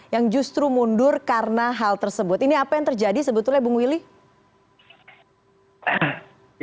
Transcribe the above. yang justru mundur karena hal tersebut ini apa yang terjadi sebetulnya bung willy